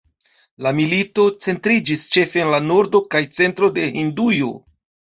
La milito centriĝis ĉefe en la nordo kaj centro de Hindujo.